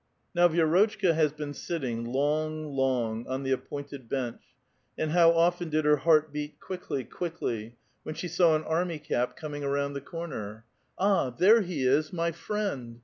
Now Vi^rotchka has been sitting long, long, on the ap pointed bench, and how often did her heart beat quickly, quickly, when she saw an army cap coming around the A VITAL QUESTION. 109 ff corner. "Ah! there he is ; my friend!"